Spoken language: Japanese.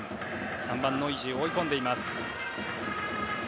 ３番、ノイジーを追い込んでいます。